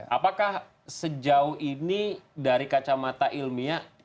apakah sejauh ini dari kacamata ilmiah